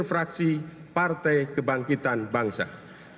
empat pak wajib t j dari dari dari pak